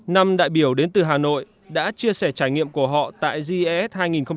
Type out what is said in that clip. năm đại biểu đến từ hà nội đã chia sẻ trải nghiệm của họ tại gies hai nghìn một mươi chín